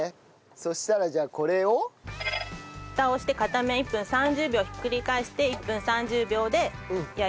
そしたらじゃあこれを？フタをして片面１分３０秒ひっくり返して１分３０秒で焼いてください。